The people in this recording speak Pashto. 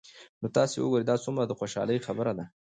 نو تاسي وګورئ دا څومره د خوشحالۍ خبره ده